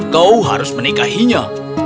kau harus menikahinya